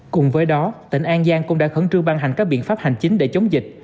cùng với đó tỉnh an giang cũng đã khẩn trương ban hành các biện pháp hành chính để chống dịch